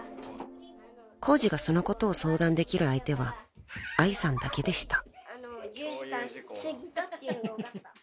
［コウジがそのことを相談できる相手は愛さんだけでした］